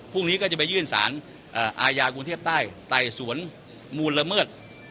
พรุ่งนี้ก็จะไปยื่นสารอาญากรุงเทพใต้ไต่สวนมูลละเมิด